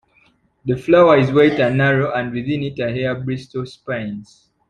The flower is white and narrow and within it are hair bristle spines.